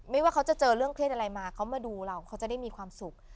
ว่าเขาจะเจอเรื่องเครียดอะไรมาเขามาดูเราเขาจะได้มีความสุข